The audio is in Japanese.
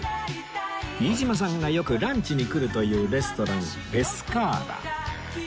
飯島さんがよくランチに来るというレストランペスカーラ